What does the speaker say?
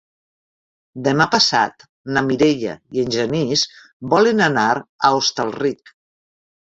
Demà passat na Mireia i en Genís volen anar a Hostalric.